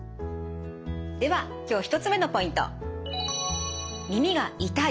では今日１つ目のポイント。